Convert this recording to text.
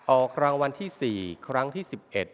ออกรางวัลที่๔ครั้งที่๑๑